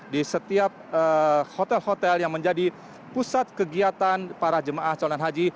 di setiap hotel hotel yang menjadi pusat kegiatan para jemaah calon haji